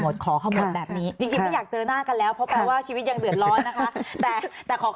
มีอยู่ประมาณ๗ผู้ร้องศอด